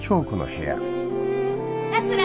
・さくら！